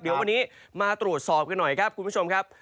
เดี๋ยววันนี้มาตรวจสอบกันหน่อยครับคุณผู้ชมครับ